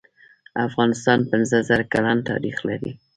افغانستان پنځه زر کلن تاریخ لري.